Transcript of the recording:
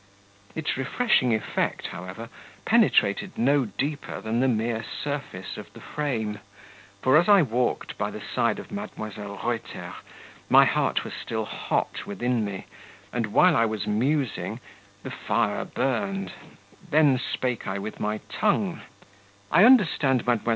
Its refreshing effect, however, penetrated no deeper than the mere surface of the frame; for as I walked by the side of Mdlle. Reuter, my heart was still hot within me, and while I was musing the fire burned; then spake I with my tongue: "I understand Mdlle.